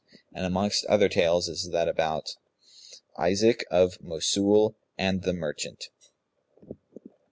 And amongst other tales is that about ISAAC OF MOSUL AND THE MERCHANT.